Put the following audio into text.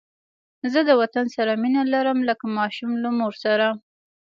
زه د وطن سره مینه لرم لکه ماشوم له مور سره